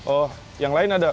oh yang lain ada